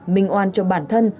minh oan cho bản thân